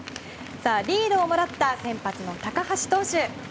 リードをもらった先発の高橋投手。